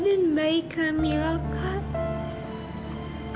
dan bayi kamilah kak